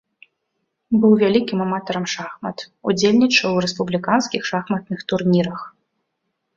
Быў вялікім аматарам шахмат, удзельнічаў у рэспубліканскіх шахматных турнірах.